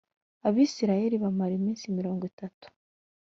abisirayeli bamara iminsi mirongo itatu